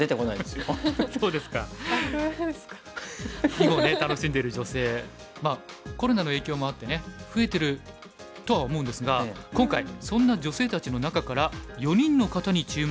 囲碁をね楽しんでる女性コロナの影響もあってね増えてるとは思うんですが今回そんな女性たちの中から４人の方に注目しました。